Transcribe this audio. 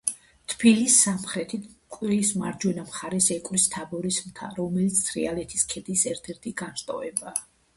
თბილისს სამხრეთით, მტკვრის მარჯვენა მხარეს ეკვრის თაბორის მთა, რომელიც თრიალეთის ქედის ერთ-ერთი განშტოებაა.